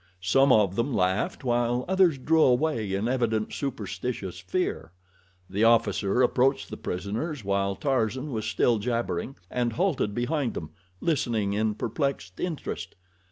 Some of them laughed, while others drew away in evident superstitious fear. The officer approached the prisoners while Tarzan was still jabbering, and halted behind them, listening in perplexed interest.